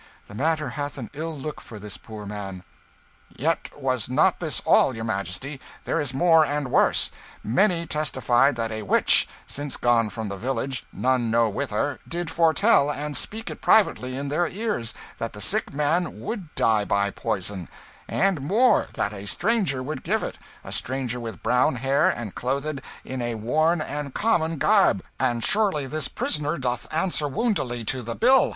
The matter hath an ill look for this poor man." "Yet was not this all, your Majesty; there is more and worse. Many testified that a witch, since gone from the village, none know whither, did foretell, and speak it privately in their ears, that the sick man would die by poison and more, that a stranger would give it a stranger with brown hair and clothed in a worn and common garb; and surely this prisoner doth answer woundily to the bill.